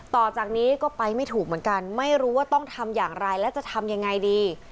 ต่อจากนี้ก็ไปไม่ถูกเหมือนกันไม่รู้ว่าต้องทำอย่างไรและจะทำยังไงดี